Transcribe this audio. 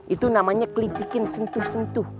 itu namanya kelitikin sentuh sentuh